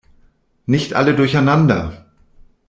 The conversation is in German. Nicht alle durcheinander!